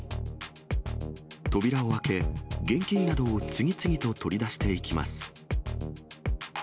扉を開け、現金などを次々と取り出していきます。